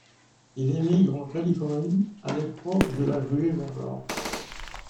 Il émigre en Californie à l'époque de la ruée vers l'or.